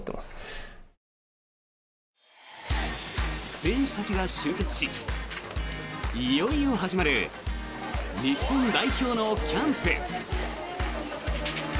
選手たちが集結しいよいよ始まる日本代表のキャンプ。